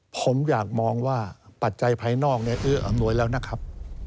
ผมอยากมองว่าปัจจัยภายนอกเนี่ยเอื้ออำนวยแล้วนะครับ